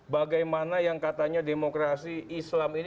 bagaimana yang katanya demokrasi islam ini